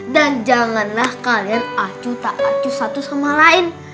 dan janganlah kalian acu tak acu satu sama lain